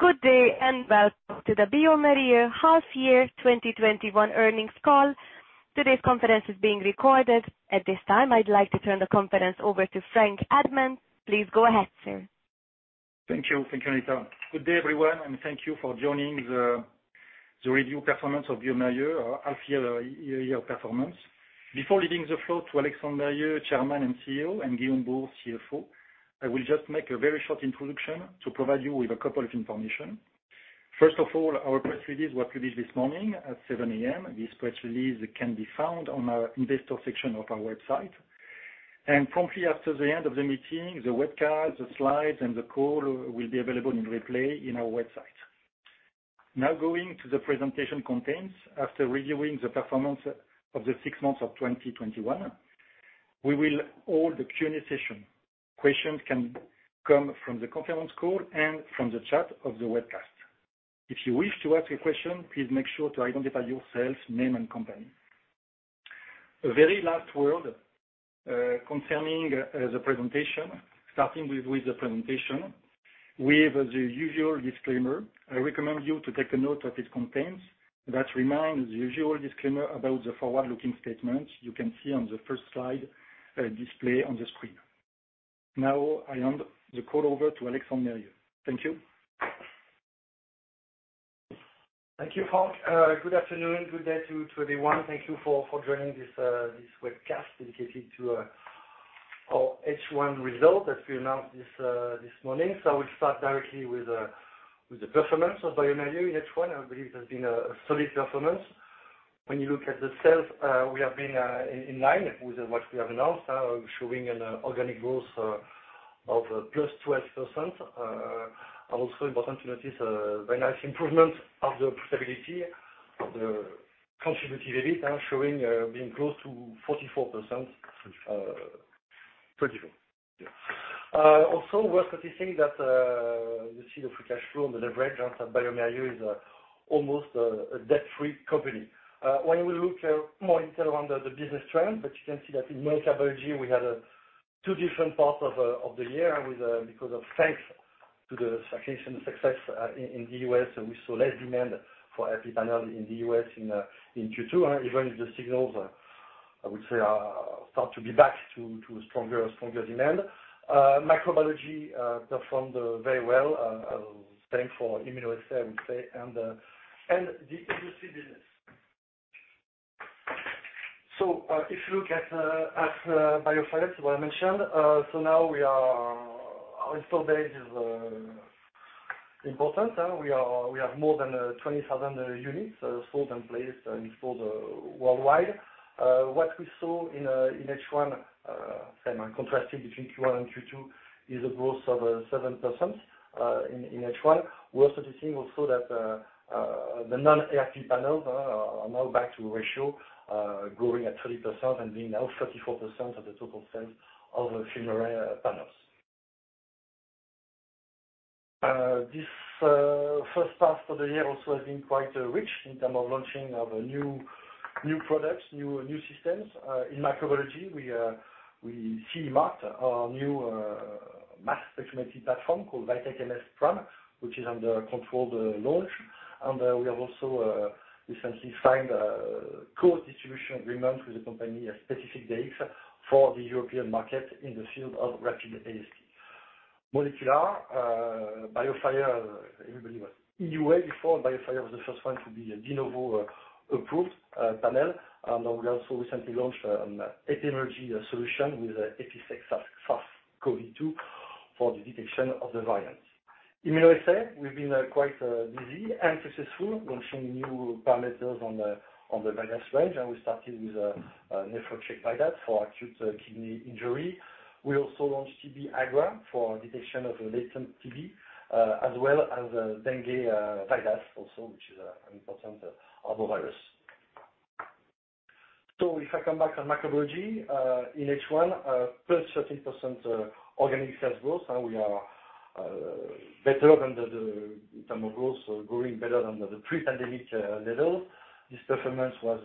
Good day and welcome to the bioMérieux Half Year 2021 Earnings Call. Today's conference is being recorded. At this time, I'd like to turn the conference over to Franck Admant. Please go ahead, sir. Thank you, Anita. Good day, everyone, and thank you for joining the review performance of bioMérieux, our half year performance. Before giving the floor to Alexandre Mérieux, Chairman and CEO, and Guillaume Bouhours, CFO, I will just make a very short introduction to provide you with a couple of information. First of all, our press release was released this morning at 7:00 A.M. This press release can be found on our investor section of our website. Promptly after the end of the meeting, the webcast, the slides, and the call will be available in replay on our website. Now going to the presentation contents. After reviewing the performance of the six months of 2021, we will hold the Q&A session. Questions can come from the conference call and from the chat of the webcast. If you wish to ask a question, please make sure to identify yourself, name and company. A very last word concerning the presentation. Starting with the presentation, we have the usual disclaimer. I recommend you to take a note of its contents that reminds the usual disclaimer about the forward-looking statements you can see on the first slide display on the screen. Now, I hand the call over to Alexandre Mérieux. Thank you. Thank you, Franck. Good afternoon. Good day to everyone. Thank you for joining this webcast dedicated to our H1 results that we announced this morning. I will start directly with the performance of bioMérieux in H1. I believe it has been a solid performance. When you look at the sales, we have been in line with what we have announced, showing an organic growth of +12%. Also important to notice a very nice improvement of the profitability of the contributed EBITDA showing being close to 44%. 24%. 24%, yeah Also worth noticing that the seed of free cash flow and the leverage of bioMérieux is almost a debt-free company. When we look more into around the business trend, you can see that in Molecular Biology, we had two different parts of the year because of thanks to the vaccination success in the U.S., we saw less demand for RP panels in the U.S. in Q2, even if the signals, I would say, are start to be back to stronger demand. Microbiology performed very well, thanks for immunoassays, I would say, and the LCA business. If you look at BioFire, as I mentioned, now our install base is important. We have more than 20,000 units sold and placed and installed worldwide. What we saw in H1, same, contrasting between Q1 and Q2, is a growth of 7% in H1. We're also seeing that the non-RP panels are now back to ratio, growing at 30% and being now 34% of the total sales of the FilmArray panels. This first half of the year also has been quite rich in term of launching of new products, new systems. In microbiology, we see marked our new mass spectrometry platform called VITEK MS PRIME, which is under controlled launch. We have also recently signed a co-distribution agreement with the company Specific Diagnostics for the European market in the field of rapid AST. Molecular, BioFire, everybody was in EUA before. BioFire was the first one to be de novo approved panel. Now we also recently launched an epidemiology solution with EPISEQ SARS-CoV-2 for the detection of the variants. Immunoassay, we've been quite busy and successful launching new parameters on the VIDAS range. We started with VIDAS NEPHROCHECK for acute kidney injury. We also launched VIDAS TB-IGRA for detection of latent TB, as well as VIDAS DENGUE also, which is an important arbovirus. If I come back on microbiology, in H1, +13% organic sales growth. We are better under the term of growth, growing better under the pre-pandemic level. This performance was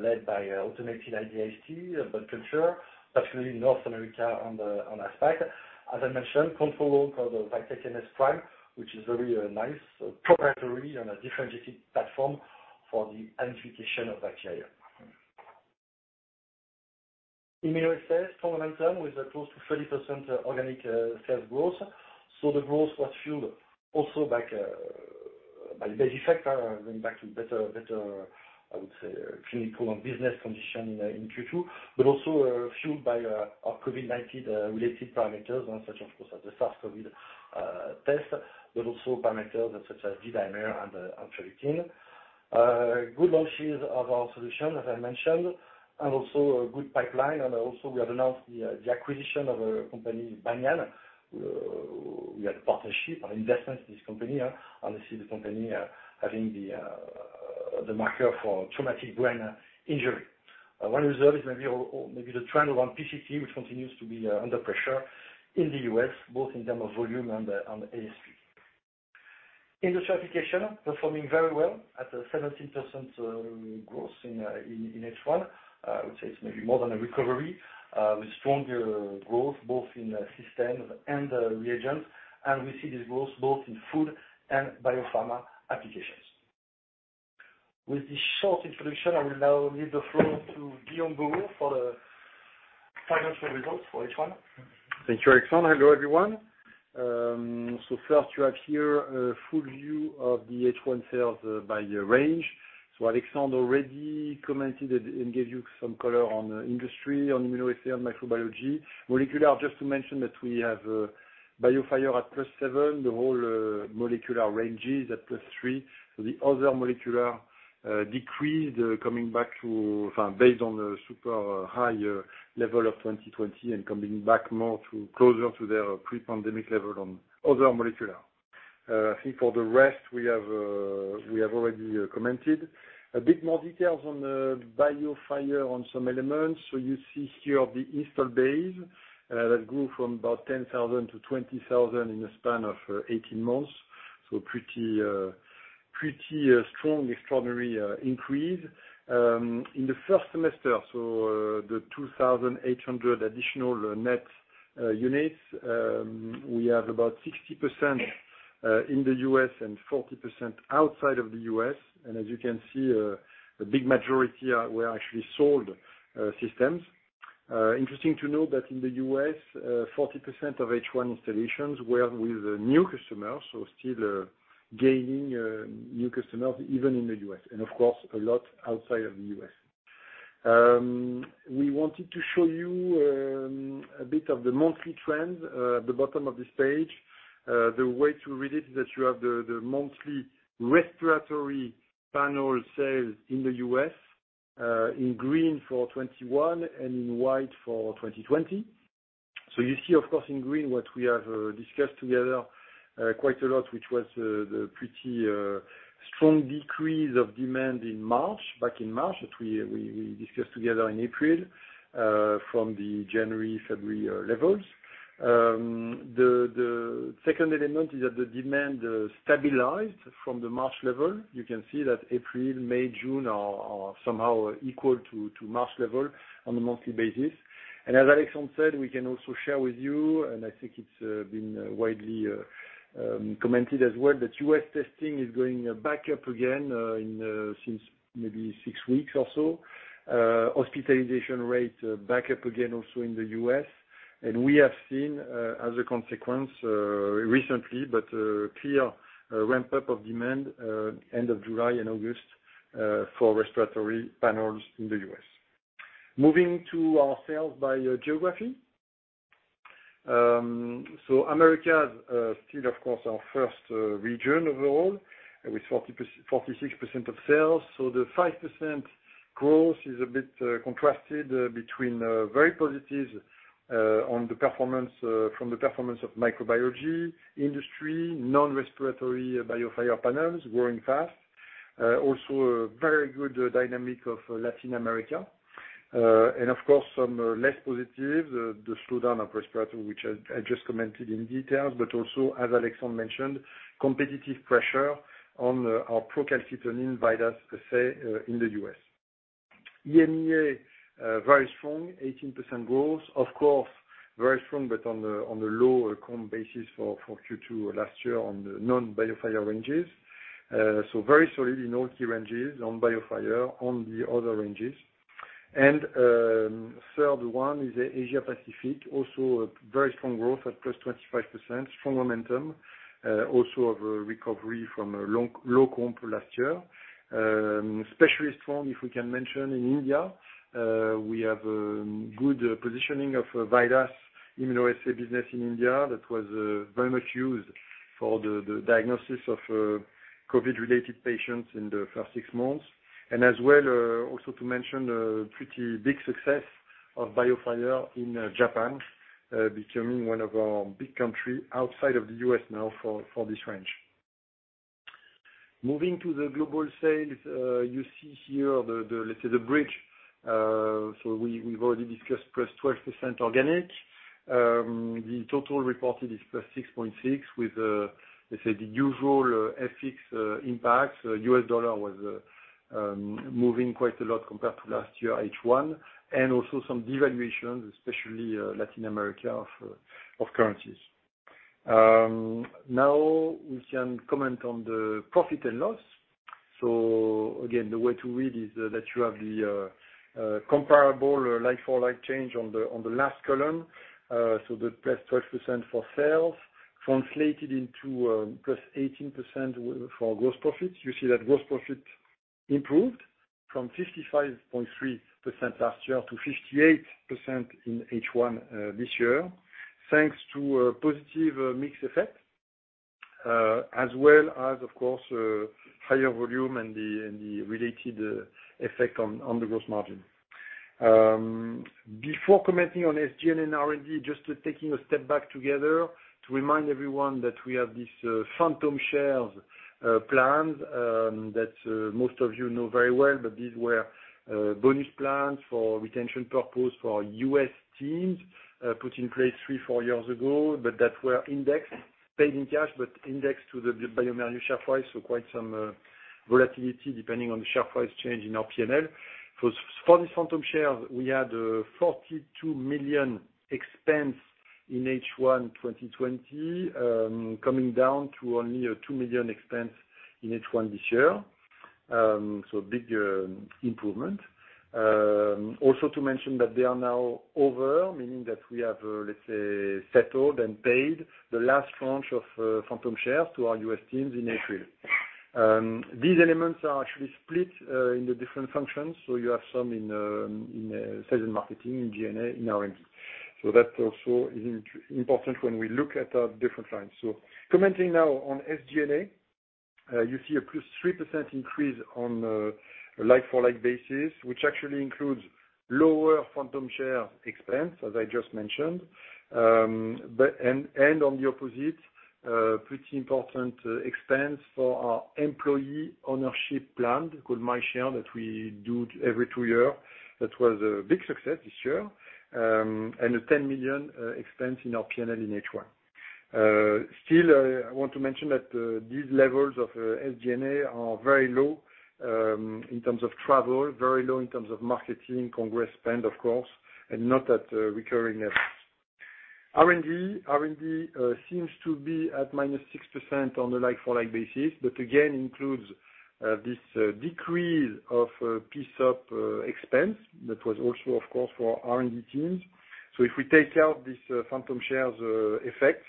led by automated ID/AST, blood culture, especially in North America and Asia-Pac. As I mentioned, control for the VITEK MS PRIME, which is very nice proprietary on a different genetic platform for the identification of bacteria. Immunoassay, strong momentum with close to 30% organic sales growth. The growth was fueled also by the base effect, going back to better, I would say, clinical and business condition in Q2, but also fueled by our COVID-19 related parameters, such, of course, as the SARS-CoV-2 test, but also parameters such as D-dimer and troponin. Good launches of our solution, as I mentioned, and also a good pipeline. We have announced the acquisition of a company, Banyan. We had a partnership and investment in this company. This is the company having the marker for traumatic brain injury. One reserve is maybe the trend around PCT, which continues to be under pressure in the U.S., both in term of volume and ASP. Industrial application, performing very well at a 17% growth in H1. I would say it's maybe more than a recovery with stronger growth both in systems and reagents. We see this growth both in food and biopharma applications. With this short introduction, I will now leave the floor to Guillaume Bouhours for the financial results for H1. Thank you, Alexandre. Hello, everyone. You have here a full view of the H1 sales by range. Alexandre already commented and gave you some color on the industry, on immunoassay and microbiology. Molecular, just to mention that we have BioFire at +7%, the whole molecular range is at +3%. The other molecular decreased, based on the super high level of 2020 and coming back more closer to their pre-pandemic level on other molecular. I think for the rest, we have already commented. A bit more details on the BioFire on some elements. You see here the install base that grew from about 10,000-20,000 in a span of 18 months. Pretty strong extraordinary increase. In the first semester, the 2,800 additional net units, we have about 60% in the U.S. and 40% outside of the U.S. As you can see, a big majority were actually sold systems. Interesting to know that in the U.S., 40% of H1 installations were with new customers, so still gaining new customers even in the U.S., and of course, a lot outside of the U.S. We wanted to show you a bit of the monthly trend at the bottom of this page. The way to read it is that you have the monthly respiratory panel sales in the U.S., in green for 2021 and in white for 2020. You see, of course, in green what we have discussed together quite a lot, which was the pretty strong decrease of demand back in March that we discussed together in April, from the January, February levels. The second element is that the demand stabilized from the March level. You can see that April, May, June are somehow equal to March level on a monthly basis. As Alexandre Mérieux said, we can also share with you, and I think it's been widely commented as well, that U.S. testing is going back up again since maybe six weeks or so. Hospitalization rates back up again also in the U.S. We have seen, as a consequence, recently, but a clear ramp-up of demand end of July and August for respiratory panels in the U.S. Moving to our sales by geography. America is still, of course, our first region overall, with 46% of sales. The 5% growth is a bit contrasted between very positive from the performance of microbiology industry, non-respiratory BioFire panels growing fast. Also a very good dynamic of Latin America. Of course, some less positive, the slowdown of respiratory, which I just commented in details, but also as Alexandre mentioned, competitive pressure on our procalcitonin VIDAS assay in the U.S. EMEA, very strong, 18% growth. Of course, very strong, but on the low comp basis for Q2 last year on the non-BioFire ranges. Very solid in all key ranges on BioFire, on the other ranges. Third one is Asia Pacific. Also a very strong growth at +25%, strong momentum. Also of a recovery from a low comp last year. Especially strong, if we can mention, in India. We have good positioning of VIDAS immunoassay business in India that was very much used for the diagnosis of COVID-related patients in the first six months. As well, also to mention a pretty big success of BioFire in Japan, becoming one of our big country outside of the U.S. now for this range. Moving to the global sales, you see here the bridge. We've already discussed +12% organic. The total reported is +6.6% with, let's say, the usual FX impacts. U.S. dollar was moving quite a lot compared to last year H1, and also some devaluations, especially Latin America, of currencies. We can comment on the profit and loss. Again, the way to read is that you have the comparable like-for-like change on the last column. The +12% for sales translated into +18% for gross profits. You see that gross profit improved from 55.3% last year to 58% in H1 this year, thanks to a positive mix effect, as well as, of course, higher volume and the related effect on the gross margin. Before commenting on SG&A and R&D, just taking a step back together to remind everyone that we have this phantom shares plans that most of you know very well. These were bonus plans for retention purpose for our U.S. teams, put in place three, four years ago, that were indexed, paid in cash, but indexed to the bioMérieux share price. Quite some volatility depending on the share price change in our P&L. For this phantom shares, we had a 42 million expense in H1 2020, coming down to only a 2 million expense in H1 this year. Big improvement. To mention that they are now over, meaning that we have, let's say, settled and paid the last tranche of phantom shares to our U.S. teams in April. These elements are actually split in the different functions, you have some in sales and marketing, in G&A, in R&D. That also is important when we look at our different lines. Commenting now on SG&A, you see a +3% increase on a like-for-like basis, which actually includes lower phantom share expense, as I just mentioned. On the opposite, pretty important expense for our employee ownership plan, called MyShare, that we do every two year. That was a big success this year, a 10 million expense in our P&L in H1. I want to mention that these levels of SG&A are very low, in terms of travel, very low in terms of marketing, congress spend, of course, and not at recurring levels. R&D seems to be at -6% on a like-for-like basis, but again, includes this decrease of PSOP expense, that was also, of course, for R&D teams. If we take out this phantom share effect,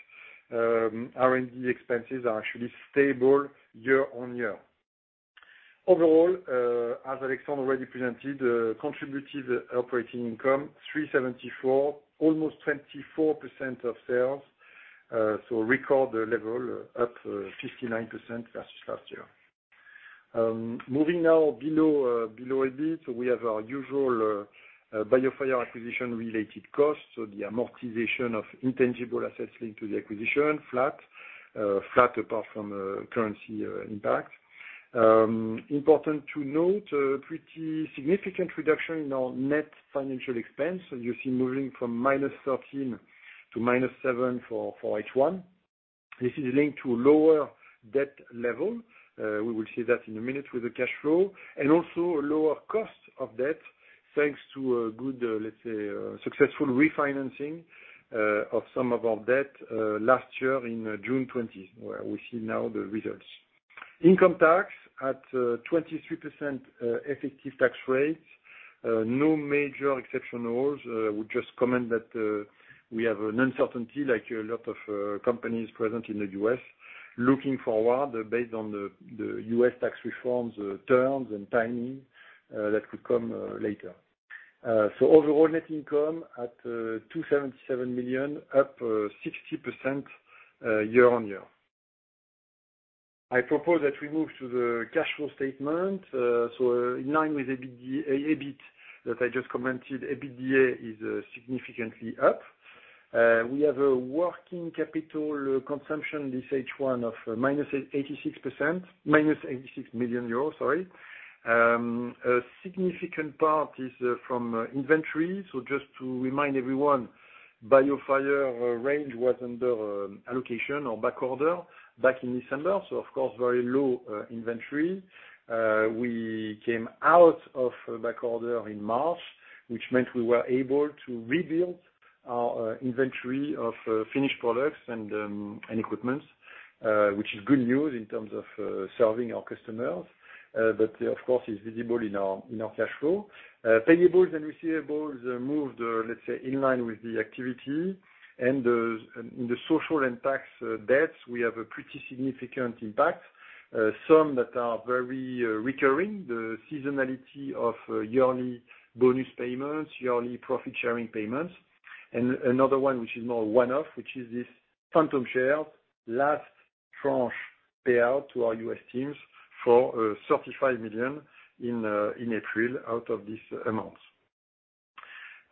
R&D expenses are actually stable year on year. As Alexandre already presented, contributed operating income 374, almost 24% of sales. Record level up 59% versus last year. Moving now below a bit, we have our usual BioFire acquisition-related costs, so the amortization of intangible assets linked to the acquisition, flat. Flat apart from currency impact. Important to note, a pretty significant reduction in our net financial expense. You see moving from -13 to -7 for H1. This is linked to lower debt level. We will see that in a minute with the cash flow. Also a lower cost of debt thanks to a good, let's say, successful refinancing of some of our debt, last year in June 2020, where we see now the results. Income tax at 23% effective tax rate. No major exceptionals. Just comment that we have an uncertainty, like a lot of companies present in the U.S., looking forward based on the U.S. tax reforms terms and timing, that could come later. Overall net income at 277 million, up 60% year-on-year. I propose that we move to the cash flow statement. In line with EBIT that I just commented, EBITDA is significantly up. We have a working capital consumption this H1 of 86 million euros, sorry. A significant part is from inventory. Just to remind everyone, BioFire range was under allocation or backorder back in December, so of course, very low inventory. We came out of backorder in March, which meant we were able to rebuild our inventory of finished products and equipment, which is good news in terms of serving our customers. Payables and receivables moved, let's say, in line with the activity. In the social and tax debts, we have a pretty significant impact, some that are very recurring, the seasonality of yearly bonus payments, yearly profit-sharing payments. Another one, which is more one-off, which is this phantom share last tranche payout to our U.S. teams for 35 million in April out of this amount.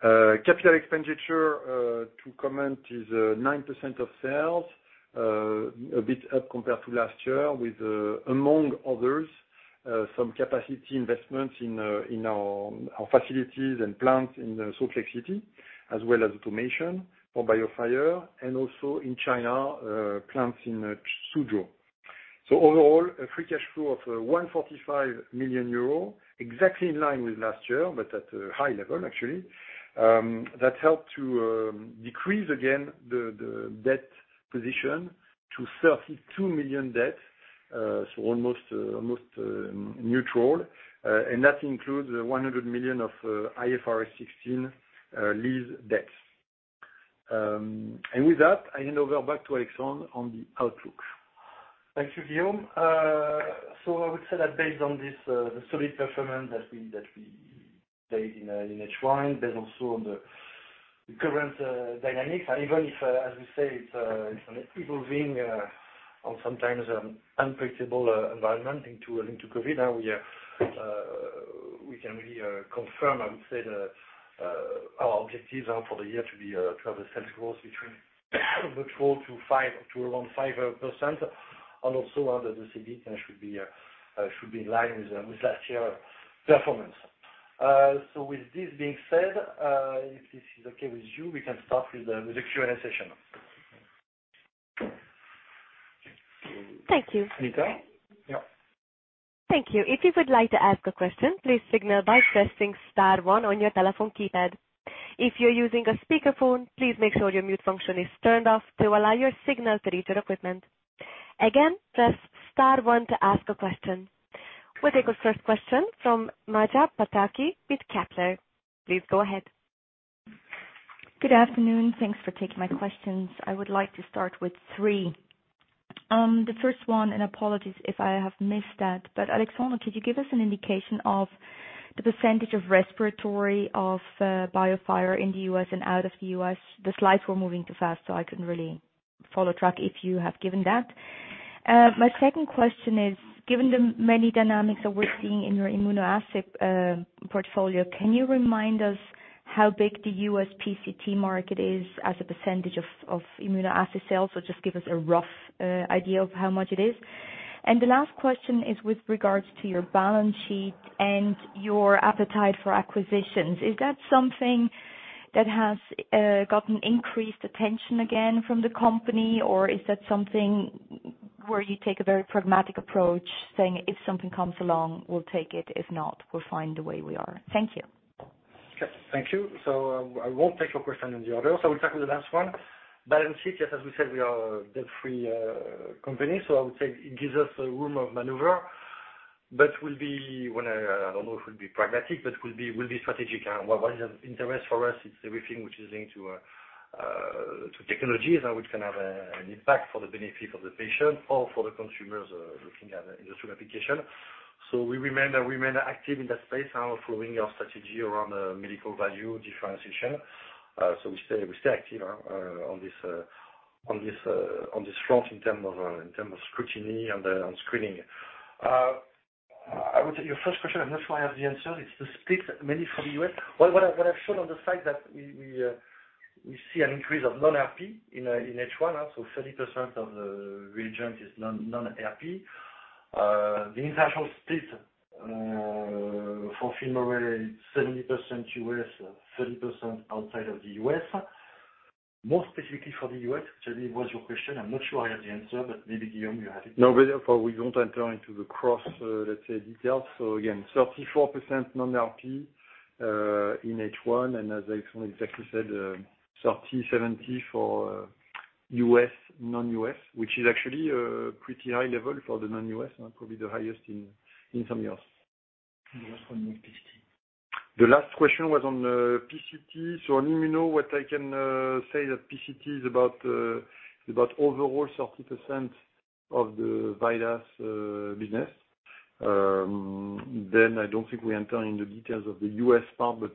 Capital expenditure to comment is 9% of sales, a bit up compared to last year with, among others, some capacity investments in our facilities and plants in Salt Lake City, as well as automation for BioFire and also in China, plants in Suzhou. Overall, a free cash flow of 145 million euro, exactly in line with last year, but at a high level, actually. That helped to decrease again the debt position to 32 million debt. Almost neutral. That includes 100 million of IFRS 16 lease debt. With that, I hand over back to Alexandre on the outlook. Thank you, Guillaume. I would say that based on this solid performance that we made in H1, based also on the current dynamics, and even if, as you say, it's evolving on sometimes unpredictable environment linked to COVID, now we can really confirm, I would say, our objectives are for the year to be a total sales growth between 4% to around 5%. Also that the CEBIT should be in line with last year performance. With this being said, if this is okay with you, we can start with the Q&A session. Thank you. Anita? Yeah. Thank you. We'll take our first question from Maja Pataki with Kepler Cheuvreux. Please go ahead. Good afternoon. Thanks for taking my questions. I would like to start with three. The first one, apologies if I have missed that, Alexandre Mérieux, could you give us an indication of the percentage of respiratory of BioFire in the U.S. and out of the U.S.? The slides were moving too fast, I couldn't really follow track if you have given that. My second question is, given the many dynamics that we're seeing in your immunoassay portfolio, can you remind us how big the U.S. PCT market is as a % of immunoassay sales? Just give us a rough idea of how much it is. The last question is with regards to your balance sheet and your appetite for acquisitions. Is that something that has gotten increased attention again from the company, or is that something where you take a very pragmatic approach, saying, "If something comes along, we'll take it; if not, we're fine the way we are"? Thank you. Okay. Thank you. I will take your question in the order. We'll start with the last one. Balance sheet, yes, as we said, we are a debt-free company. I would say it gives us a room of maneuver. We'll be when, I don't know if it will be pragmatic, but we'll be strategic. What is of interest for us, it's everything which is into technologies and which can have an impact for the benefit of the patient or for the consumers, looking at the industrial applications. We remain active in that space and following our strategy around medical value differentiation. We stay active on this front in terms of scrutiny and on screening. I would take your first question. I'm not sure I have the answer. It's the split mainly for the U.S. What I've shown on the side that we see an increase of non-RP in H1. 30% of the VIDAS is non-RP. The international split for FilmArray, it's 70% U.S., 30% outside of the U.S. More specifically for the U.S., actually, was your question. I'm not sure I have the answer, but maybe Guillaume, you have it. Therefore, we don't enter into the cross, let's say, details. Again, 34% non-RP in H1, and as Alexandre exactly said, 30, 70 for U.S., non-U.S., which is actually a pretty high level for the non-U.S., probably the highest in some years. The last one was PCT. The last question was on PCT. On immuno, what I can say that PCT is about overall 30% of the VIDAS business. I don't think we enter in the details of the U.S. part, but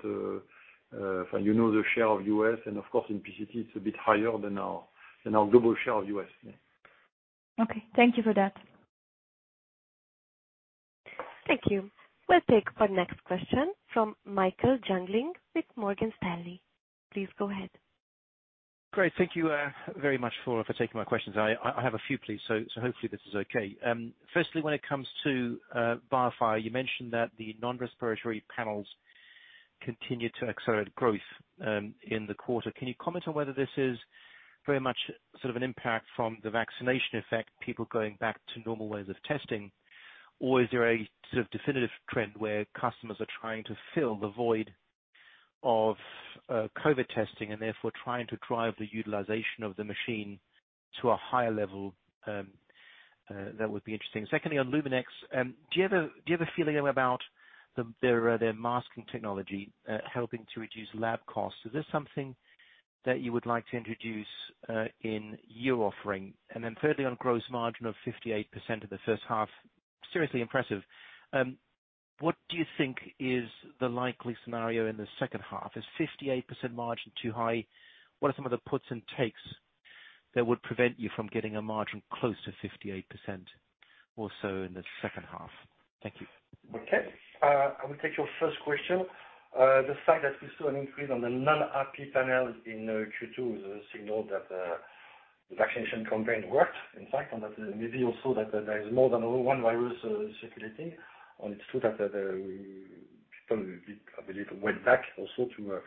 you know the share of U.S., and of course in PCT, it's a bit higher than our global share of U.S. Okay. Thank you for that. Thank you. We'll take our next question from Michael Jüngling with Morgan Stanley. Please go ahead. Great. Thank you very much for taking my questions. I have a few, please, hopefully this is okay? Firstly, when it comes to BioFire, you mentioned that the non-respiratory panels continued to accelerate growth in the quarter. Can you comment on whether this is very much an impact from the vaccination effect, people going back to normal ways of testing, or is there a definitive trend where customers are trying to fill the void of COVID testing and therefore trying to drive the utilization of the machine to a higher level? That would be interesting. Secondly, on Luminex, do you have a feeling about their masking technology helping to reduce lab costs? Is this something that you would like to introduce in your offering? Thirdly, on gross margin of 58% in the first half, seriously impressive. What do you think is the likely scenario in the second half? Is 58% margin too high? What are some of the puts and takes that would prevent you from getting a margin close to 58% or so in the second half? Thank you. Okay. I will take your first question. The fact that we saw an increase on the non-RP Panel in Q2 is a signal that the vaccination campaign worked, in fact, and that maybe also that there is more than one virus circulating. It's true that people, I believe, went back also to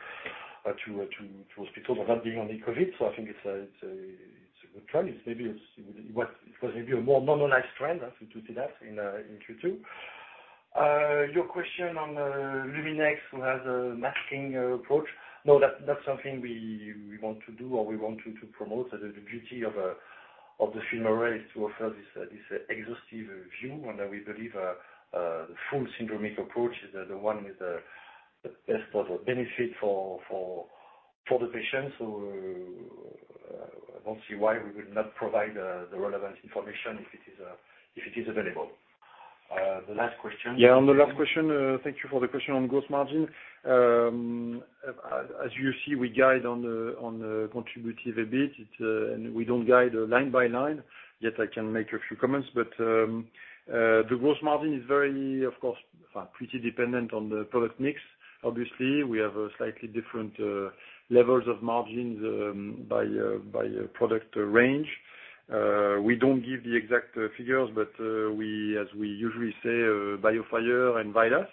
hospitals without being only COVID. I think it's a good trend. It was maybe a more normalized trend as we do see that in Q2. Your question on Luminex, who has a masking approach. No, that's not something we want to do or we want to promote. The beauty of the FilmArray is to offer this exhaustive view, and we believe the full syndromic approach is the one with the best possible benefit for the patients. I don't see why we would not provide the relevant information if it is available. The last question. Yeah, on the last question, thank you for the question on gross margin. As you see, we guide on the contributive EBIT. We don't guide line by line, yet I can make a few comments. The gross margin is very, of course, pretty dependent on the product mix. Obviously, we have slightly different levels of margins by product range. We don't give the exact figures, as we usually say, BioFire and VIDAS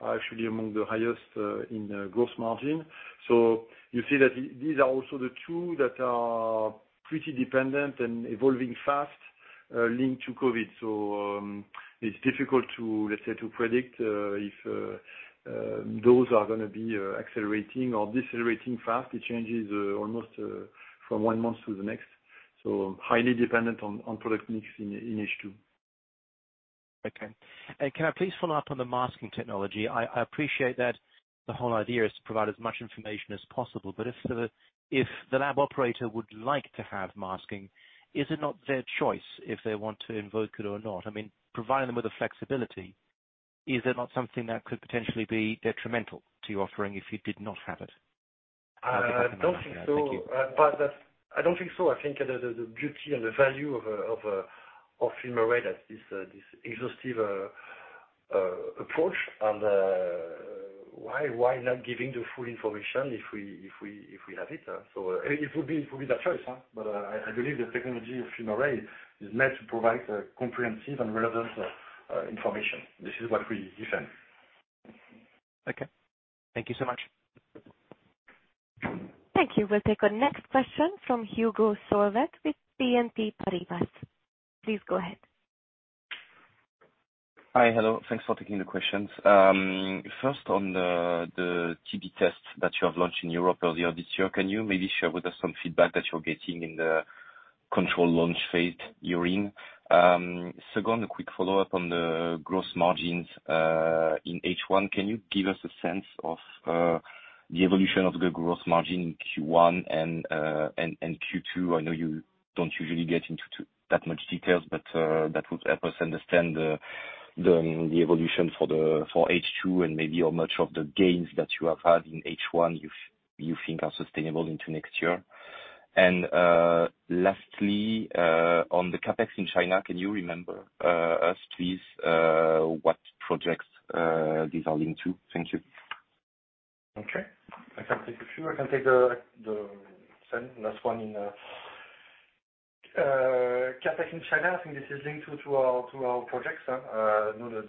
are actually among the highest in gross margin. You see that these are also the two that are pretty dependent and evolving fast, linked to COVID. It's difficult to predict if those are going to be accelerating or decelerating fast. It changes almost from one month to the next. Highly dependent on product mix in H2. Okay. Can I please follow up on the masking technology? I appreciate that the whole idea is to provide as much information as possible, but if the lab operator would like to have masking, is it not their choice if they want to invoke it or not? I mean, provide them with the flexibility. Is it not something that could potentially be detrimental to your offering if you did not have it? I don't think so. I think the beauty and the value of FilmArray, that this exhaustive approach and why not giving the full information if we have it? It would be that choice. I believe the technology of FilmArray is meant to provide comprehensive and relevant information. This is what we defend. Okay. Thank you so much. Thank you. We'll take our next question from Hugo Solvet with BNP Paribas. Please go ahead. Hi. Hello. Thanks for taking the questions. First, on the TB tests that you have launched in Europe earlier this year, can you maybe share with us some feedback that you're getting in the control launch phase you're in? Second, a quick follow-up on the gross margins, in H1, can you give us a sense of the evolution of the gross margin in Q1 and Q2? I know you don't usually get into that much details, but that would help us understand the evolution for H2 and maybe how much of the gains that you have had in H1 you think are sustainable into next year. Lastly, on the CapEx in China, can you remember us, please, what projects these are linked to? Thank you. Okay. I can take a few. I can take the last one. CapEx in China, I think this is linked to our projects. Know that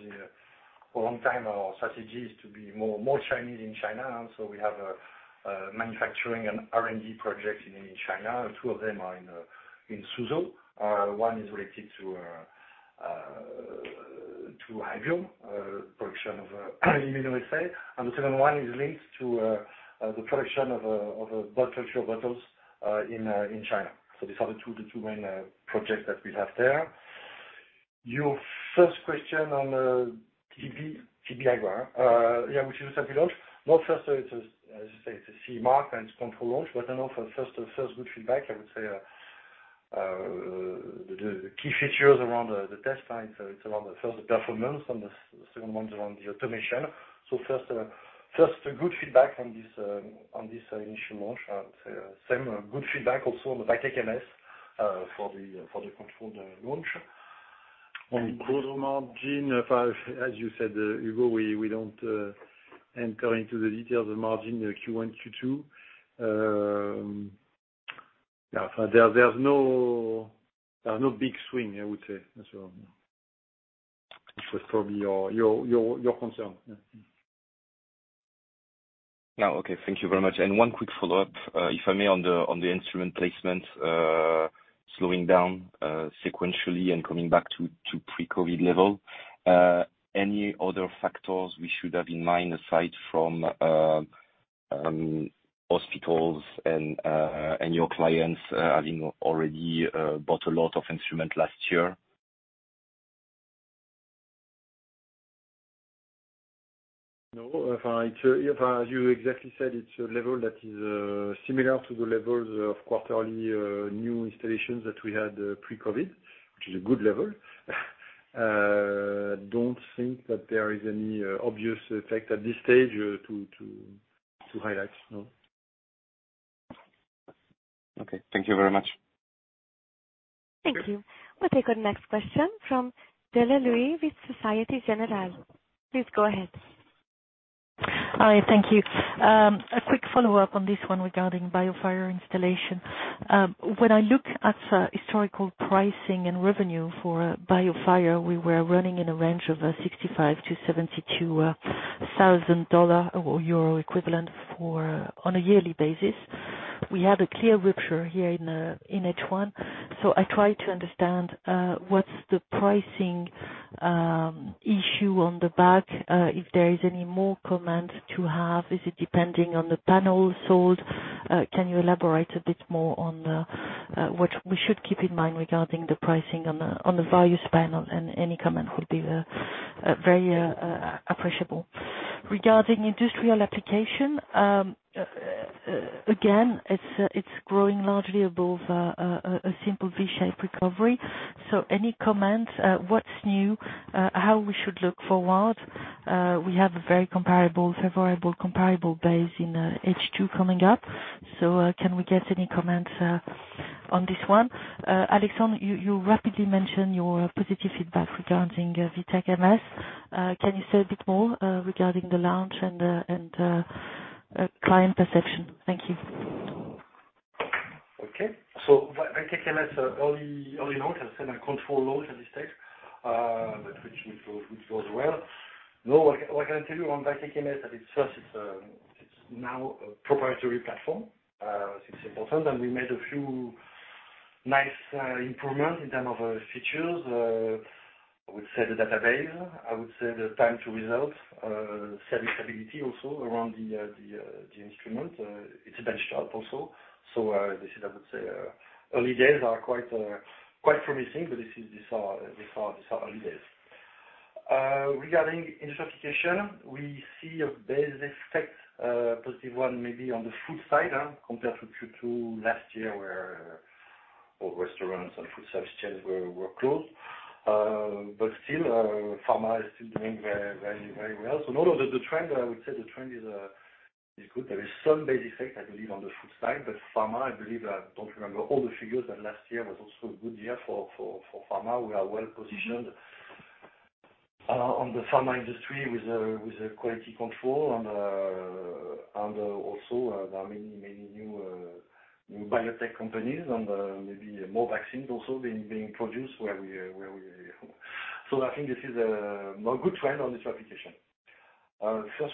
a long time our strategy is to be more Chinese in China. We have a manufacturing and R&D project in China, two of them are in Suzhou. One is related to Hybiome, production of immunoassay, and the second one is linked to the production of culture bottles in China. These are the two main projects that we have there. Your first question on TB, Hybiome. Yeah, which is something else. Not first, as I say, it's a CE mark and it's control launch, but I know for first good feedback, I would say the key features around the test time. It's around the first performance and the second one's around the automation. First good feedback on this initial launch, same good feedback also on the VITEK MS for the controlled launch. On the growth margin, as you said, Hugo, we don't enter into the details of margin Q1, Q2. There's no big swing, I would say. If that was probably your concern. Yeah. No. Okay. Thank you very much. One quick follow-up, if I may, on the instrument placement slowing down sequentially and coming back to pre-COVID level. Any other factors we should have in mind aside from hospitals and your clients having already bought a lot of instrument last year? No. As you exactly said, it's a level that is similar to the levels of quarterly new installations that we had pre-COVID, which is a good level. Don't think that there is any obvious effect at this stage to highlight. No. Okay. Thank you very much. Thank you. We'll take our next question from Delphine Le Louët with Société Générale. Please go ahead. Hi. Thank you. A quick follow-up on this one regarding BioFire installation. When I look at historical pricing and revenue for BioFire, we were running in a range of EUR 65,000-EUR 72,000 or euro equivalent on a yearly basis. We have a clear rupture here in H1. I try to understand, what's the pricing issue on the back, if there is any more comment to have? Is it depending on the panel sold? Can you elaborate a bit more on what we should keep in mind regarding the pricing on the various panel? Any comment would be very appreciable. Regarding industrial application, again, it's growing largely above a simple V-shaped recovery. Any comments? What's new? How we should look forward? We have a very favorable comparable base in H2 coming up. Can we get any comments on this one? Alexandre, you rapidly mentioned your positive feedback regarding VITEK MS. Can you say a bit more regarding the launch and client perception? Thank you. Okay. VITEK MS early out has had a control launch at this stage, which goes well. What can I tell you on VITEK MS, that it's now a proprietary platform. It's important. We made a few nice improvements in terms of features. I would say the database, I would say the time to result, serviceability also around the instrument. It's benched up also. This is, I would say, early days are quite promising. These are early days. Regarding industry certification, we see a base effect, a positive one maybe on the food side compared to Q2 last year, where all restaurants and food service chains were closed. Still, pharma is still doing very well. No, the trend, I would say the trend is good. There is some base effect, I believe, on the food side, but pharma, I believe, I don't remember all the figures, but last year was also a good year for pharma. We are well-positioned on the pharma industry with the quality control and also there are many new biotech companies and maybe more vaccines also being produced. I think this is a good trend on the certification. First question around value for you. Yeah. Sorry, the first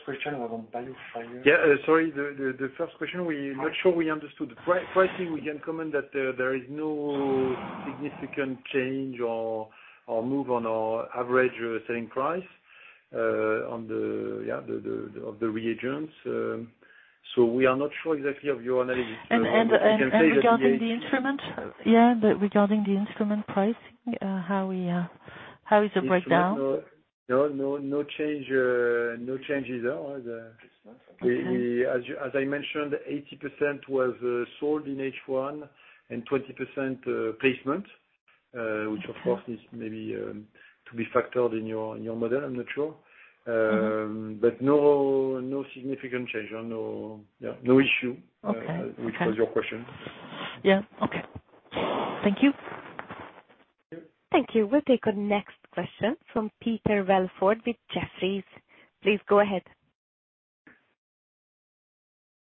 question, we are not sure we understood. Pricing, we can comment that there is no significant change or move on our average selling price of the reagents. We are not sure exactly of your analysis. Regarding the instrument? Yeah, regarding the instrument pricing, how is the breakdown? No change there. As I mentioned, 80% was sold in H1 and 20% placement, which of course is maybe to be factored in your model, I'm not sure. No significant change or no issue, which was your question. Yeah. Okay. Thank you. Thank you. We'll take our next question from Peter Welford with Jefferies. Please go ahead.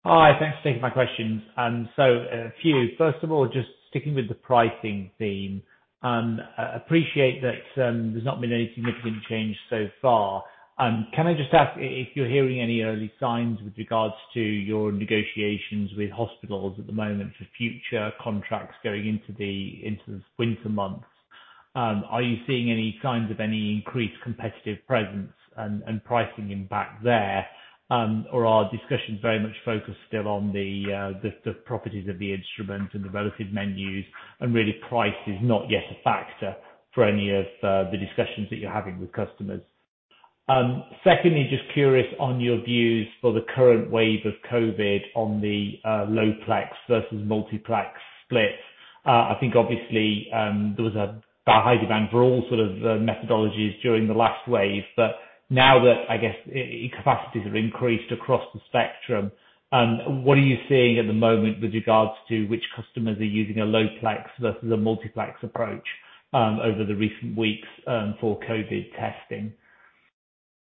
Hi. Thanks for taking my questions. A few. First of all, just sticking with the pricing theme. Appreciate that there's not been any significant change so far. Can I just ask if you're hearing any early signs with regards to your negotiations with hospitals at the moment for future contracts going into the winter months? Are you seeing any signs of any increased competitive presence and pricing impact there? Are discussions very much focused still on the properties of the instrument and the relative menus, and really price is not yet a factor for any of the discussions that you're having with customers? Secondly, just curious on your views for the current wave of COVID on the low-plex versus multiplex split. I think obviously, there was a high demand for all sort of methodologies during the last wave. Now that capacities have increased across the spectrum, what are you seeing at the moment with regards to which customers are using a low-plex versus a multiplex approach over the recent weeks for COVID testing?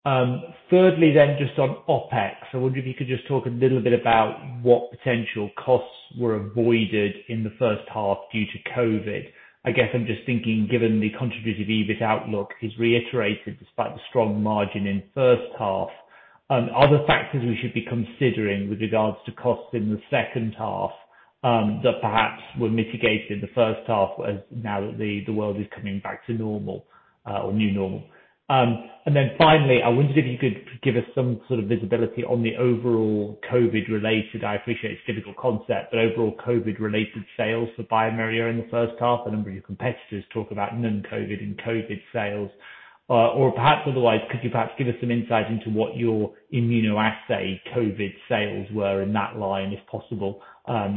Thirdly, just on OpEx, I wonder if you could just talk a little bit about what potential costs were avoided in the first half due to COVID. I'm just thinking given the contributed EBIT outlook is reiterated despite the strong margin in the first half. Are there factors we should be considering with regards to costs in the second half, that perhaps were mitigated in the first half as now that the world is coming back to normal, or new normal? Finally, I wondered if you could give us some sort of visibility on the overall COVID-related, I appreciate it's a difficult concept, but overall COVID-related sales for bioMérieux in the first half. A number of your competitors talk about non-COVID and COVID sales. Perhaps otherwise, could you perhaps give us some insight into what your immunoassay COVID sales were in that line, if possible?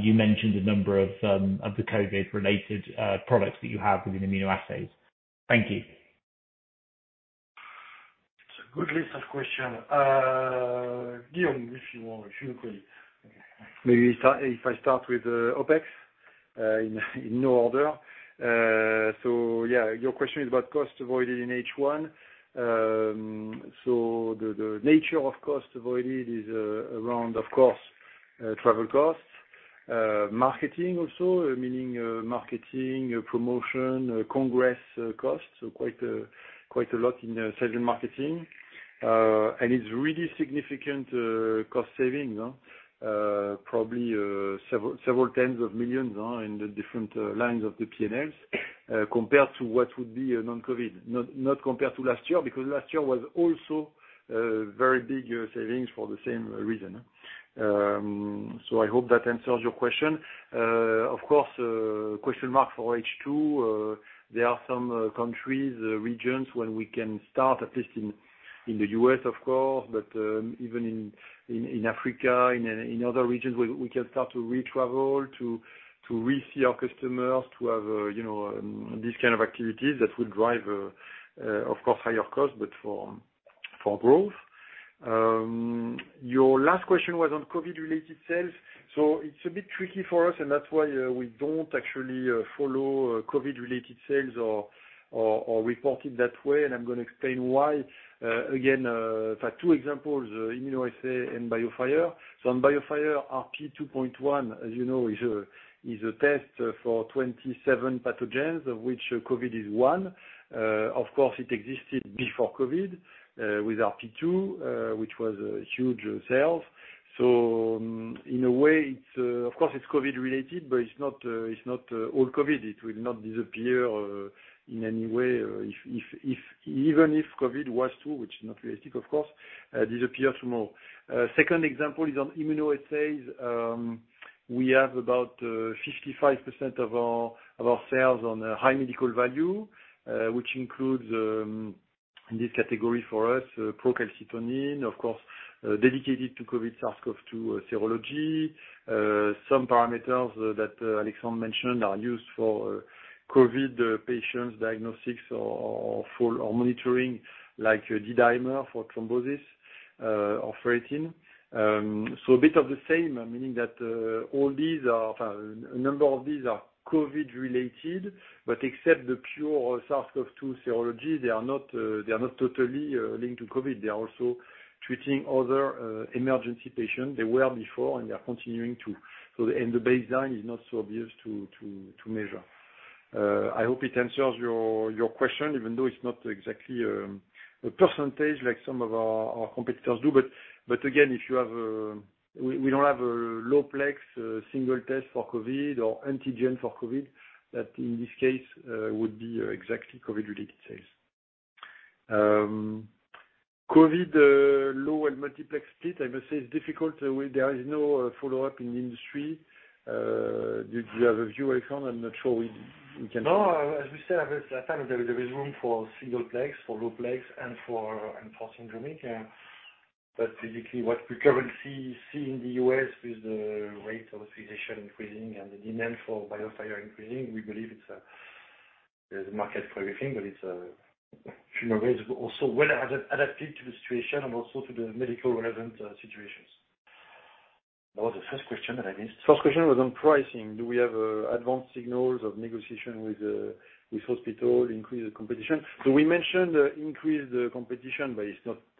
You mentioned a number of the COVID-related products that you have within immunoassays. Thank you. It's a good list of question. Guillaume, if you want, if you could. Maybe if I start with the OpEx, in new order. Yeah, your question is about cost avoided in H1. The nature of cost avoided is around, of course, travel costs. Marketing also, meaning marketing, promotion, congress costs, so quite a lot in sales and marketing. It's really significant cost savings. Probably several tens of millions in the different lines of the P&Ls, compared to what would be a non-COVID. Not compared to last year, because last year was also very big savings for the same reason. I hope that answers your question. Of course, question mark for H2. There are some countries, regions where we can start, at least in the U.S., of course, but even in Africa, in other regions, we can start to re-travel, to re-see our customers, to have these kind of activities that will drive, of course, higher costs, but for growth. Your last question was on COVID-related sales. It's a bit tricky for us, and that's why we don't actually follow COVID-related sales or report it that way. I'm going to explain why. Again, there are two examples, immunoassay and BioFire. On BioFire, BIOFIRE RP2.1, as you know, is a test for 27 pathogens, of which COVID is one. Of course, it existed before COVID with BIOFIRE RP2, which was a huge sale. In a way, of course, it's COVID-related, but it's not all COVID. It will not disappear in any way. Even if COVID was to, which is not realistic, of course, disappear tomorrow. Second example is on immunoassays. We have about 55% of our sales on high medical value, which includes, in this category for us, procalcitonin, of course, dedicated to COVID SARS-CoV-2 serology. Some parameters that Alexandre mentioned are used for COVID patients diagnostics or for monitoring, like D-dimer for thrombosis or ferritin. A bit of the same, meaning that a number of these are COVID-related, except the pure SARS-CoV-2 serology, they are not totally linked to COVID. They are also treating other emergency patients. They were before, they are continuing to. The baseline is not so obvious to measure. I hope it answers your question, even though it's not exactly a percentage like some of our competitors do. We don't have a low-plex single test for COVID or antigen for COVID that, in this case, would be exactly COVID-related sales. COVID low and multiplex split, I must say, is difficult. There is no follow-up in the industry. Did you have a view, Alexandre? No. As we said, there is room for single plex, for low-plex, and for syndromic. Basically, what we currently see in the U.S. is the rate of physician increasing and the demand for BioFire increasing. We believe there's a market for everything, but it's a few more ways, but also well adapted to the situation and also to the medical relevant situations. What was the first question that I missed? First question was on pricing. Do we have advanced signals of negotiation with hospital, increased competition? We mentioned increased competition, but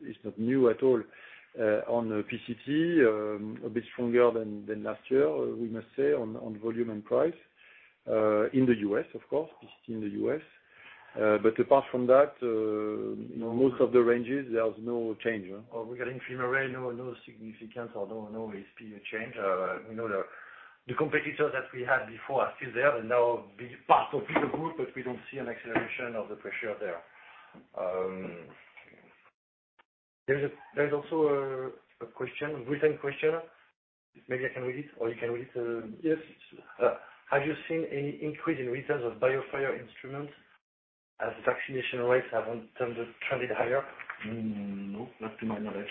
it's not new at all. On PCT, a bit stronger than last year, we must say, on volume and price in the U.S., of course. PCT in the U.S. Apart from that, most of the ranges, there's no change. Regarding FilmArray, no significance or no speed change. We know the competitors that we had before are still there and now part of bigger group, but we don't see an acceleration of the pressure there. There is also a question, written question. Maybe I can read it or you can read it. Yes. Have you seen any increase in returns of BioFire instruments as vaccination rates have turned higher? No, not to my knowledge.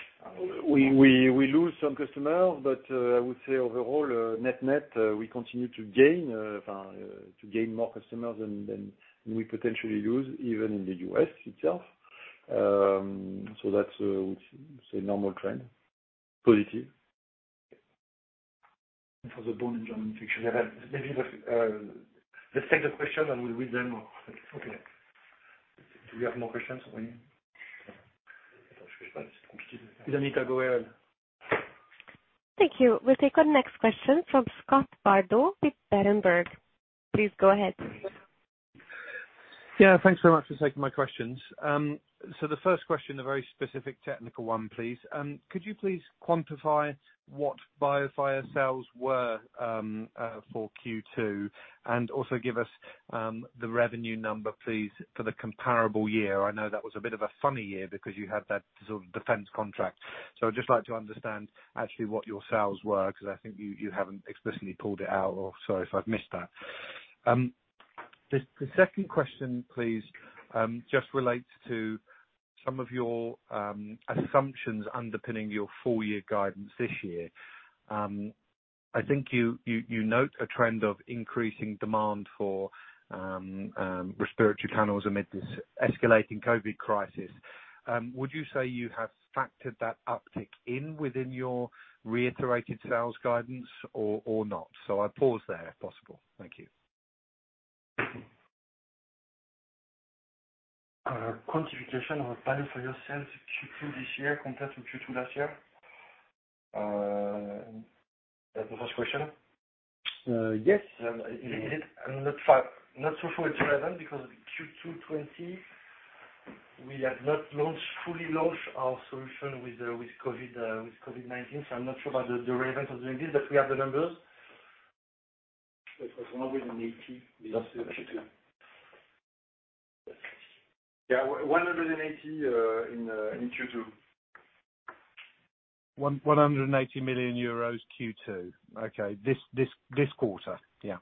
We lose some customer, but I would say overall, net-net, we continue to gain more customers than we potentially lose, even in the U.S. itself. That's a normal trend. Positive. For the Joint Infection. Let's take the question and we'll read them. Okay. Do we have more questions for me? Anita, go ahead. Thank you. We'll take our next question from Scott Bardo with Berenberg. Please go ahead. Yeah. Thanks so much for taking my questions. The first question, a very specific technical one, please. Could you please quantify what BioFire sales were for Q2? And also give us the revenue number, please, for the comparable year. I know that was a bit of a funny year because you had that sort of defense contract. I'd just like to understand actually what your sales were, because I think you haven't explicitly pulled it out, or sorry if I've missed that. The second question, please, just relates to some of your assumptions underpinning your full year guidance this year. I think you note a trend of increasing demand for respiratory panels amid this escalating COVID crisis. Would you say you have factored that uptick in within your reiterated sales guidance or not? I pause there if possible. Thank you. Quantification of value for your sales Q2 this year compared to Q2 last year. That is the first question. Yes. I'm not sure it's relevant because Q2 2020, we had not fully launched our solution with COVID-19. I'm not sure about the relevance of doing this, but we have the numbers. It was EUR 180 million in Q2. Yeah, EUR 180 million in Q2. EUR 180 million Q2. Okay. This quarter? Yeah.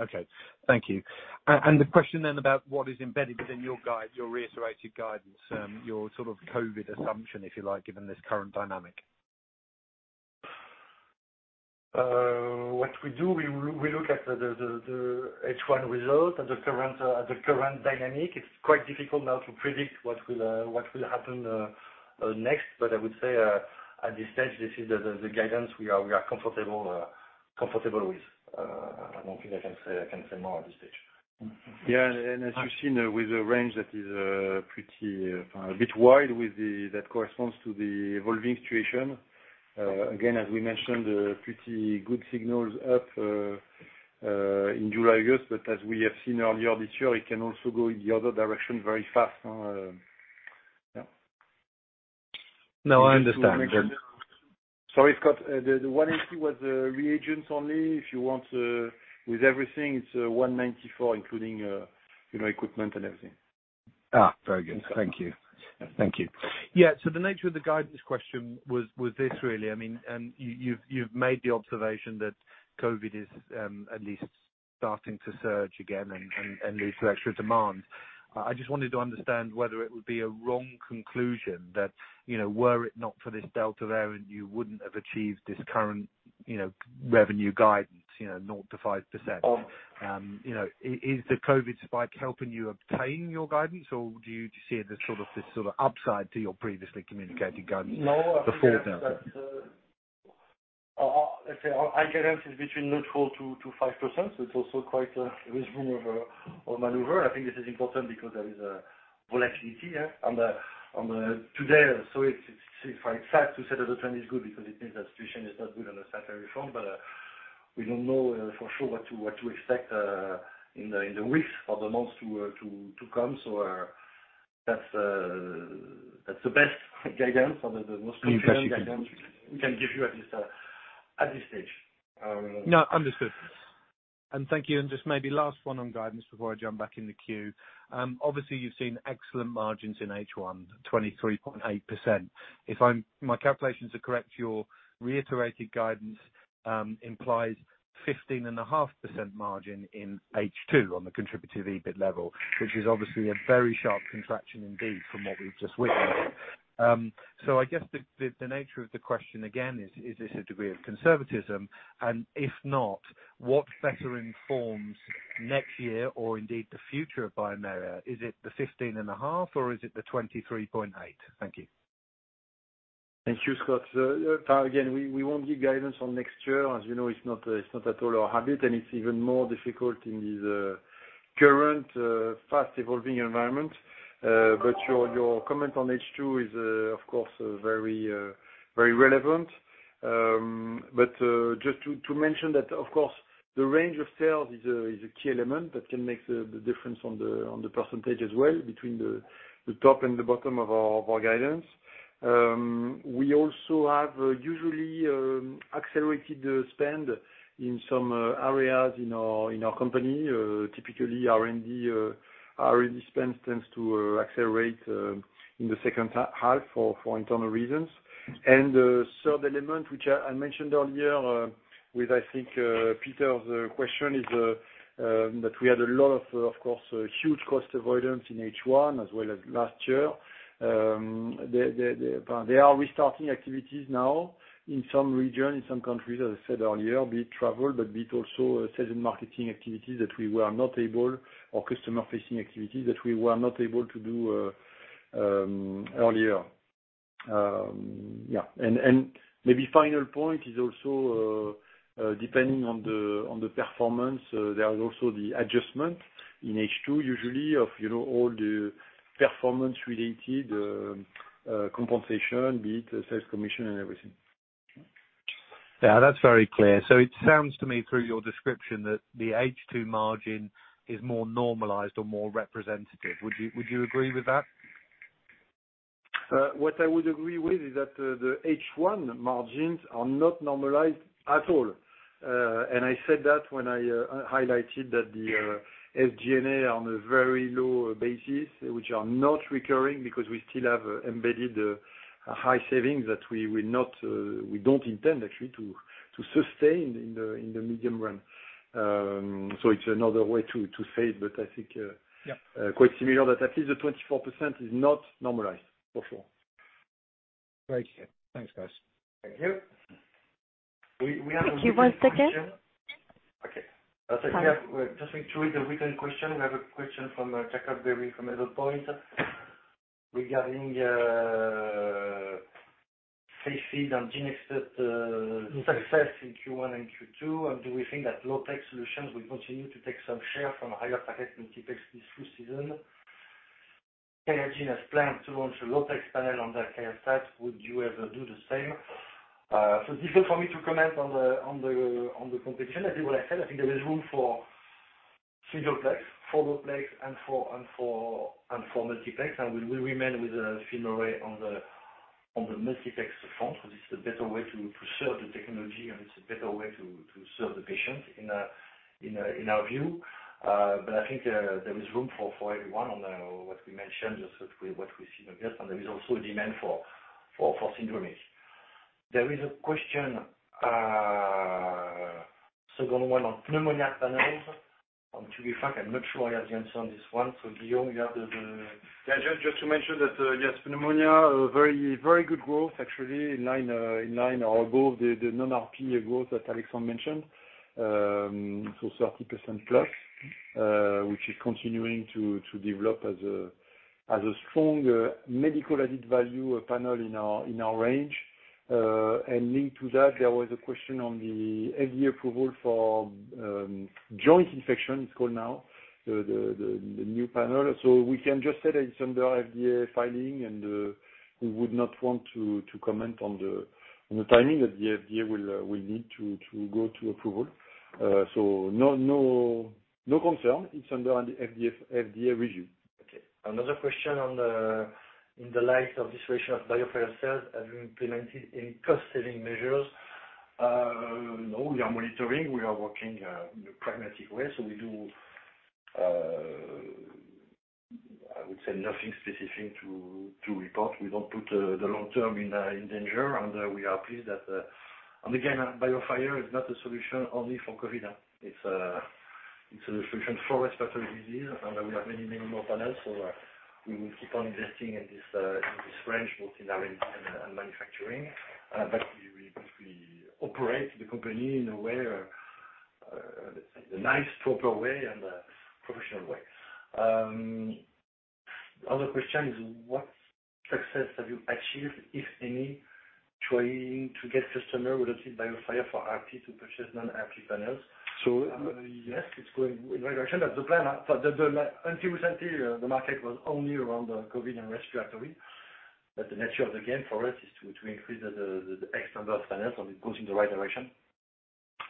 Okay, thank you. The question then about what is embedded within your reiterated guidance, your sort of COVID assumption, if you like, given this current dynamic? What we do, we look at the H1 result and the current dynamic. It's quite difficult now to predict what will happen next. I would say at this stage, this is the guidance we are comfortable with. I don't think I can say more at this stage. Yeah. As you've seen with the range that is a bit wide, that corresponds to the evolving situation. Again, as we mentioned, pretty good signals up in July, August, but as we have seen earlier this year, it can also go in the other direction very fast. Yeah. No, I understand. Sorry, Scott. The 180 million was reagents only. If you want with everything, it's 194 million, including equipment and everything. Very good. Thank you. Yeah. Thank you. The nature of the guidance question was this really, you've made the observation that COVID is at least starting to surge again and lead to extra demand. I just wanted to understand whether it would be a wrong conclusion that, were it not for this Delta variant, you wouldn't have achieved this current revenue guidance, 0%-5%. Is the COVID spike helping you obtain your guidance? Or do you see this sort of upside to your previously communicated guidance before Delta? Let's say our guidance is between 0%-5%. It's also quite a room of maneuver. I think this is important because there is a volatility here on the today. It's quite sad to say that the trend is good because it means that situation is not good on a statutory front. We don't know for sure what to expect in the weeks or the months to come. That's the best guidance or the most realistic guidance we can give you at this stage. No, understood. Thank you. Just maybe last one on guidance before I jump back in the queue. Obviously, you've seen excellent margins in H1, 23.8%. If my calculations are correct, your reiterated guidance implies 15.5% margin in H2 on the contributive EBIT level, which is obviously a very sharp contraction indeed from what we've just witnessed. I guess the nature of the question again, is this a degree of conservatism? If not, what better informs next year or indeed the future of bioMérieux? Is it the 15.5% or is it the 23.8%? Thank you. Thank you, Scott. We won't give guidance on next year. As you know, it's not at all our habit, and it's even more difficult in this current fast evolving environment. Your comment on H2 is, of course, very relevant. Just to mention that, of course, the range of sales is a key element that can make the difference on the percentage as well between the top and the bottom of our guidance. We also have usually accelerated spend in some areas in our company. Typically, R&D spend tends to accelerate in the second half for internal reasons. The third element, which I mentioned earlier, with I think Peter's question, is that we had a lot of course, huge cost avoidance in H1 as well as last year. They are restarting activities now in some region, in some countries, as I said earlier, be it travel, but be it also sales and marketing activities or customer-facing activities that we were not able to do earlier. Yeah. Maybe final point is also depending on the performance, there is also the adjustment in H2, usually of all the performance-related compensation, be it sales commission and everything. Yeah, that's very clear. It sounds to me through your description that the H2 margin is more normalized or more representative. Would you agree with that? What I would agree with is that the H1 margins are not normalized at all. I said that when I highlighted that the SG&A on a very low basis, which are not recurring because we still have embedded high savings that we don't intend actually to sustain in the medium run. It's another way to say it quite similar that at least the 24% is not normalized for sure. Great. Thanks, guys. Thank you. We have a written question. Give me one second. Okay. Sorry. Just read the written question. We have a question from Jacob Peery from Evercore regarding Cepheid and GeneXpert success in Q1 and Q2, and do we think that low-plex solutions will continue to take some share from higher target multiplex this flu season? QIAGEN has planned to launch a low-plex panel on their QIAstat-Dx. Would you ever do the same? Difficult for me to comment on the competition. I think what I said, I think there is room for single plex, for low-plex, and for multiplex. We will remain with the FilmArray on the multiplex front, because it's a better way to serve the technology, and it's a better way to serve the patient in our view. I think there is room for everyone on what we mentioned, just what we see on this, and there is also a demand for syndromic. Second one on pneumonia panels. To be frank, I'm not sure I have the answer on this one. Guillaume, you have. Just to mention that, yes, pneumonia, very good growth actually, in line or above the non-RP growth that Alexandre mentioned. 30% plus, which is continuing to develop as a strong medical added value panel in our range. Linked to that, there was a question on the FDA approval for joint infection, it's called now, the new panel. We can just say that it's under FDA filing and we would not want to comment on the timing that the FDA will need to go to approval. No concern. It's under FDA review. Okay. Another question, in the light of this ratio of BioFire sales, have you implemented any cost saving measures? No, we are monitoring. We are working in a pragmatic way, so we do, I would say nothing specific to report. We don't put the long term in danger, and we are pleased. Again, BioFire is not a solution only for COVID. It's a solution for respiratory disease, and we have many, many more panels. We will keep on investing in this range, both in our R&D and manufacturing. We operate the company in a way, the nice proper way and a professional way. Other question is what success have you achieved, if any, trying to get customer-related BioFire for RP to purchase non-RP panels? Yes, it's going in right direction. Until recently, the market was only around COVID and respiratory. The nature of the game for us is to increase the X number of panels, and it goes in the right direction.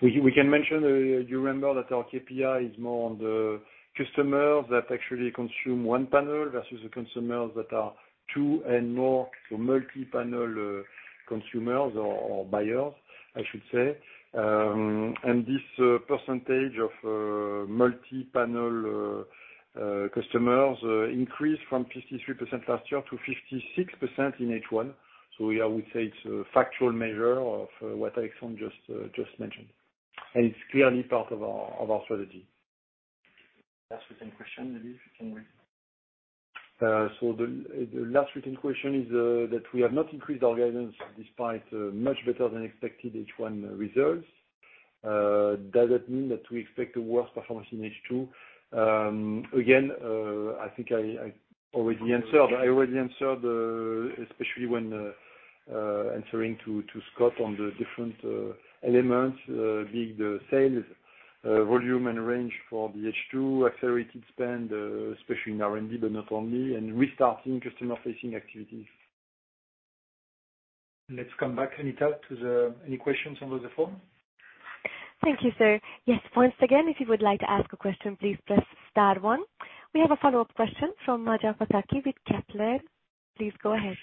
We can mention, you remember that our KPI is more on the customers that actually consume one panel versus the consumers that are two and more, so multi-panel consumers or buyers, I should say. This percentage of multi-panel customers increased from 53% last year to 56% in H1. I would say it's a factual measure of what Alexandre just mentioned, and it's clearly part of our strategy. Last written question, maybe if you can read. The last written question is that we have not increased our guidance despite much better than expected H1 results. Does it mean that we expect a worse performance in H2? Again, I think I already answered, especially when answering to Scott on the different elements, be it the sales volume and range for the H2 accelerated spend, especially in R&D, but not only, and restarting customer-facing activities. Let's come back, Anita, to any questions over the phone. Thank you, sir. Yes, once again, if you would like to ask a question, please press star one. We have a follow-up question from Maja Pataki with Kepler Cheuvreux. Please go ahead.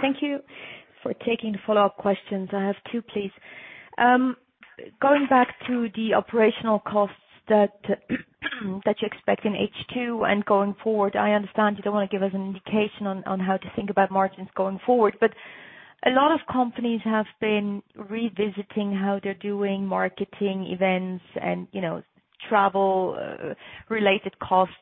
Thank you for taking follow-up questions. I have two, please. Going back to the operational costs that you expect in H2 and going forward, I understand you don't want to give us an indication on how to think about margins going forward. A lot of companies have been revisiting how they're doing marketing events and travel-related costs.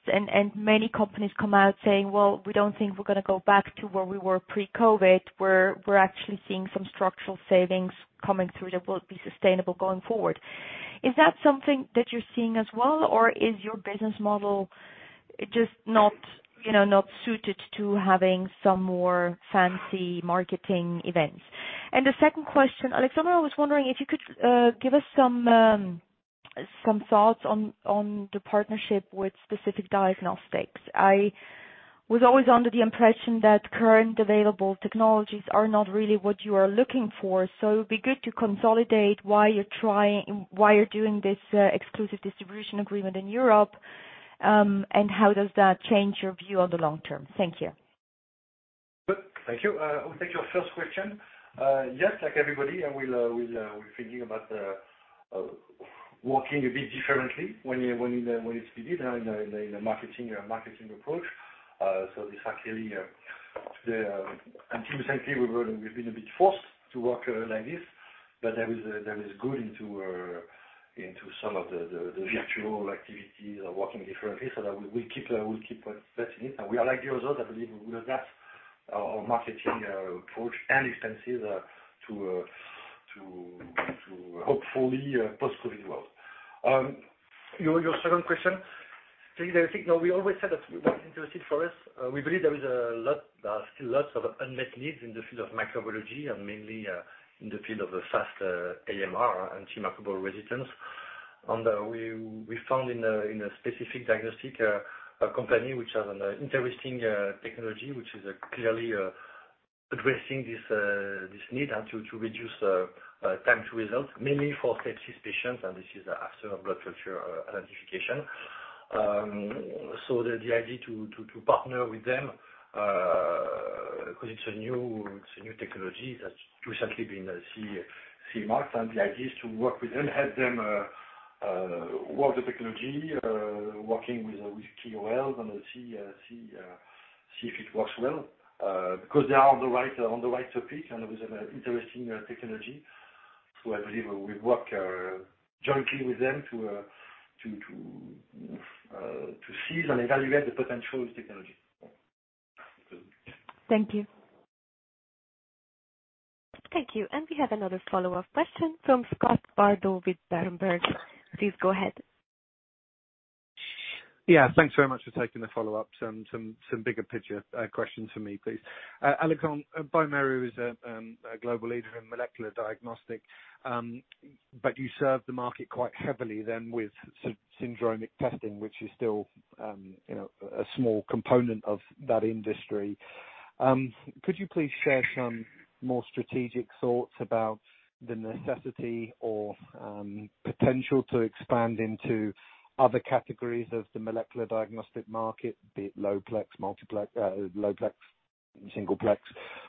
Many companies come out saying, "Well, we don't think we're going to go back to where we were pre-COVID. We're actually seeing some structural savings coming through that will be sustainable going forward." Is that something that you're seeing as well, or is your business model just not suited to having some more fancy marketing events? The second question, Alexandre, I was wondering if you could give us some thoughts on the partnership with Specific Diagnostics. I was always under the impression that current available technologies are not really what you are looking for. It'd be good to consolidate why you're doing this exclusive distribution agreement in Europe, and how does that change your view on the long term? Thank you. Good. Thank you. I will take your first question. Like everybody, we're thinking about working a bit differently when it's needed in a marketing approach. This actually, until recently, we've been a bit forced to work like this, there is good into some of the virtual activities or working differently. That we'll keep assessing it. We are like the others, I believe we will adapt our marketing approach and expenses to hopefully post-COVID world. Your second question. Maja, I think now we always said that we were interested for us. We believe there are still lots of unmet needs in the field of microbiology and mainly in the field of fast AMR, antimicrobial resistance. We found in a Specific Diagnostics company, which has an interesting technology, which is clearly addressing this need and to reduce time to results, mainly for sepsis patients, and this is after blood culture identification. The idea to partner with them, because it's a new technology that's recently been CE marked, and the idea is to work with them, help them work the technology, working with KOLs and see if it works well, because they are on the right topic, and it was an interesting technology. I believe we work jointly with them to seize and evaluate the potential of the technology. Thank you. Thank you. We have another follow-up question from Scott Bardo with Berenberg. Please go ahead. Yeah. Thanks very much for taking the follow-ups. Some bigger picture questions for me, please. Alexandre, bioMérieux is a global leader in molecular diagnostics. You serve the market quite heavily then with syndromic testing, which is still a small component of that industry. Could you please share some more strategic thoughts about the necessity or potential to expand into other categories of the molecular diagnostics market, be it lowplex, singleplex,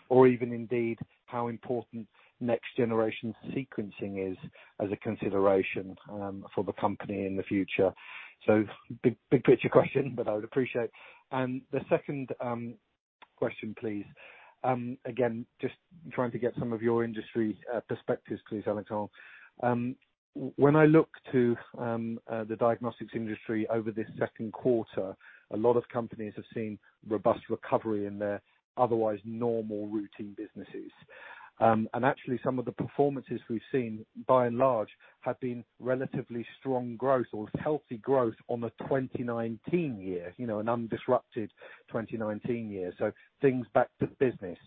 or even indeed how important next-generation sequencing is as a consideration for the company in the future? Big picture question, but I would appreciate. The second question, please. Again, just trying to get some of your industry perspectives please, Alexandre. When I look to the diagnostics industry over this second quarter, a lot of companies have seen robust recovery in their otherwise normal routine businesses. Actually, some of the performances we've seen, by and large, have been relatively strong growth or healthy growth on the 2019 year, an undisrupted 2019 year. Things back to business.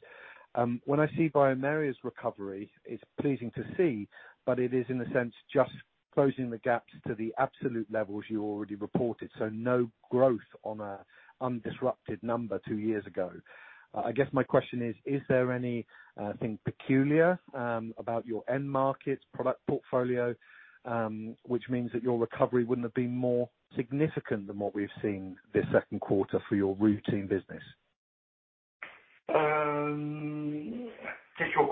When I see bioMérieux's recovery, it's pleasing to see, but it is in a sense just closing the gaps to the absolute levels you already reported, so no growth on an undisrupted number two years ago. I guess my question is there anything peculiar about your end markets, product portfolio, which means that your recovery wouldn't have been more significant than what we've seen this second quarter for your routine business? Thank you for your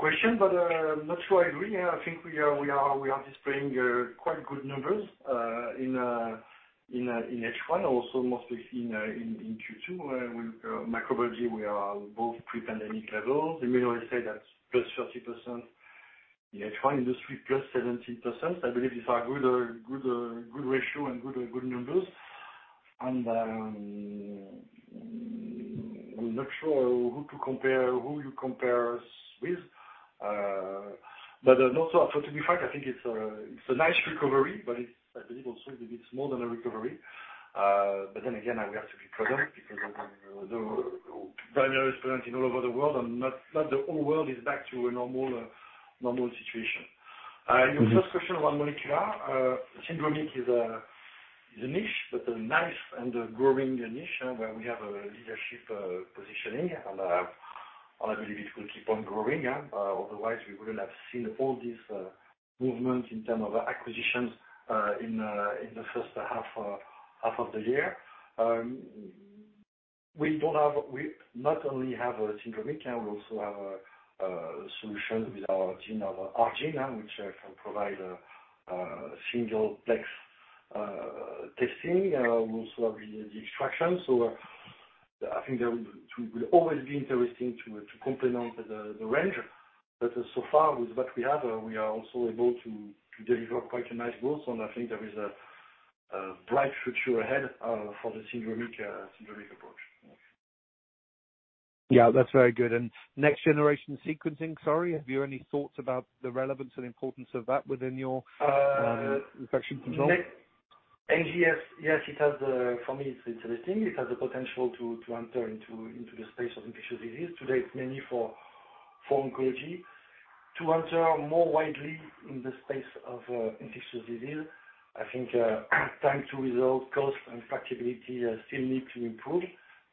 question, but I'm not sure I agree. I think we are displaying quite good numbers in H1, also mostly seen in Q2 where microbiology we are above pre-pandemic levels. Immunology, that's +30% in H1, industry +17%. I believe these are good ratio and good numbers. I'm not sure who you compare us with. Also to be fair, I think it's a nice recovery, but I believe also that it's more than a recovery. Then again, we have to be prudent because bioMérieux is present in all over the world, and not the whole world is back to a normal situation. Your first question around molecular. Syndromic is a niche, but a nice and a growing niche where we have a leadership positioning, and I believe it will keep on growing. Otherwise, we wouldn't have seen all these movements in terms of acquisitions in the first half of the year. We not only have syndromic, we also have a solution with our ARGENE, which can provide a singleplex testing. We also have the extraction. I think that it will always be interesting to complement the range. So far, with what we have, we are also able to deliver quite a nice growth. I think there is a bright future ahead for the syndromic approach. Yeah, that's very good. Next generation sequencing, sorry, have you any thoughts about the relevance and importance of that within your infection control? NGS, yes, for me, it's interesting. It has the potential to enter into the space of infectious disease. Today, it's mainly for oncology. To enter more widely in the space of infectious disease, I think time to result, cost, and profitability still need to improve.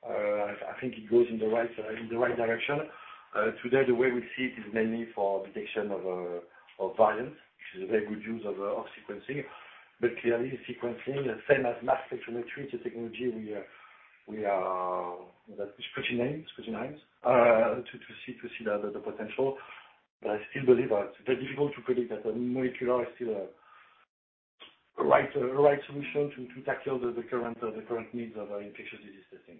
I think it goes in the right direction. Today, the way we see it is mainly for detection of variants, which is a very good use of sequencing. Clearly, sequencing, same as mass spectrometry, it's a technology that is pretty nice to see the potential. I still believe that it's very difficult to predict that the molecular is still a right solution to tackle the current needs of infectious disease testing.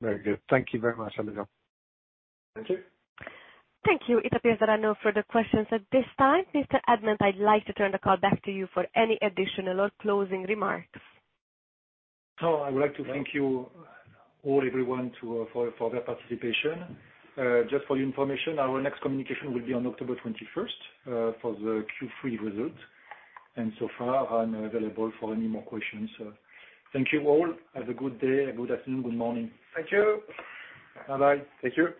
Very good. Thank you very much, Alexandre. Thank you. Thank you. It appears that I have no further questions at this time. Mr. Admant, I'd like to turn the call back to you for any additional or closing remarks. I would like to thank you, all everyone, for their participation. Just for your information, our next communication will be on October 21st for the Q3 results. So far, I'm available for any more questions. Thank you all. Have a good day, a good afternoon, good morning. Thank you. Bye-bye. Thank you.